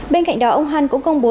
bên cạnh đó ông hunt cũng công bố